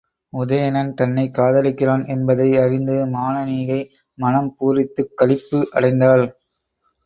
உதயணன் தன்னைக் காதலிக்கிறான் என்பதை அறிந்து மானனீகை மனம் பூரித்துக் களிப்பு அடைந்தாள்.